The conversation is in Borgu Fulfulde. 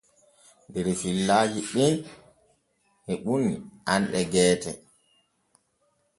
Der fillajiɗin heɓuni anɗe geete.